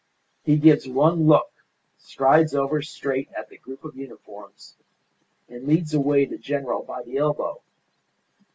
He gives one look, strides over straight at the group of uniforms, and leads away the general by the elbow.